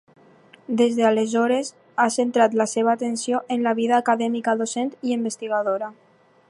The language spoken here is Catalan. Des d'aleshores ha centrat la seva atenció en la vida acadèmica docent i investigadora.